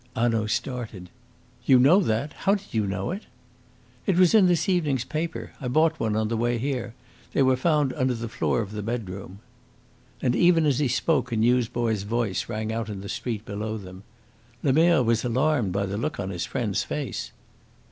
Hanaud started. "You know that? How did you know it?" "It was in this evening's paper. I bought one on the way here. They were found under the floor of the bedroom." And even as he spoke a newsboy's voice rang out in the street below them. Lemerre was alarmed by the look upon his friend's face.